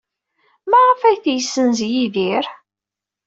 Maɣef ay t-yessenz Yidir?